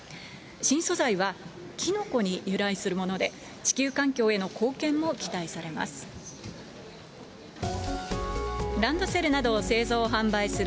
新素材は、キノコに由来するもので、地球環境への貢献も期待されます。